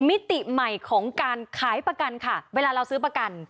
มิติใหม่ของการขายประกันค่ะเวลาเราซื้อประกัน